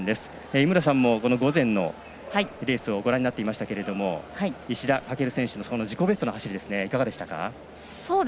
井村さんも午前のレースをご覧になっていましたけど石田駆選手、自己ベストの走りいかがでしたか。